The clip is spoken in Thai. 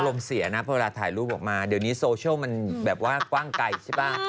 เสียนะเวลาถ่ายรูปออกมาเดี๋ยวนี้โซเชียลมันแบบว่ากว้างไกลใช่ป่ะ